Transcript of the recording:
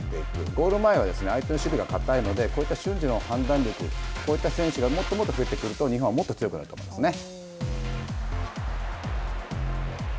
ゴール前は相手の守備が堅いので、こういった瞬時の判断力こういった選手がもっともっと増えてくると、日本はもっと強くなると思いますね。